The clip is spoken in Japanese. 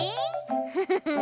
フフフッ。